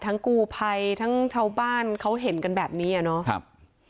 ทั้งกูภัยทั้งเช้าบ้านเขาเห็นกันแบบนี้อ่ะเนอะครับ